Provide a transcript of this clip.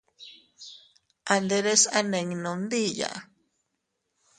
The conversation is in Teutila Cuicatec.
A nderes a ninnu ndiya.